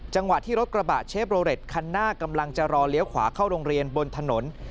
จังหวะที่รถกระบะเชฟโรเรตคันหน้ากำลังจะรอเลี้ยวขวาเข้าโรงเรียนบนถนน